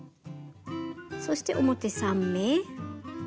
そして表３目。